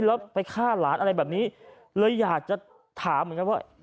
แล้วไปฆ่าหลานอะไรแบบนี้เลยอยากจะถามเหมือนกันว่า